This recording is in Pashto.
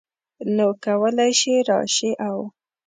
نو کولی شې راشې او